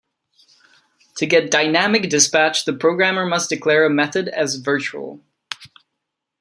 To get dynamic dispatch the programmer must declare a method as virtual.